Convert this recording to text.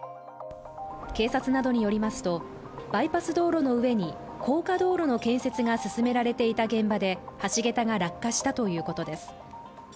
警察などによりますと、バイパス道路の上に高架道路の建設が進められていた現場で橋桁が落下したということです。